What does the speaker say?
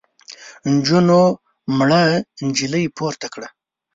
نجونو مړه نجلۍ پورته کړه.